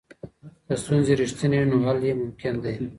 که ستونزې رښتینې وي نو حل یې ممکن دی.